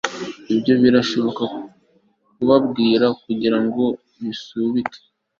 Ibyo birashobora kubarwa kugirango bisubike